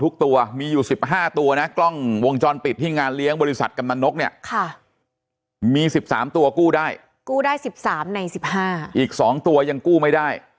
กู้ได้๑๓ใน๑๕อีก๒ตัวยังกู้ไม่ได้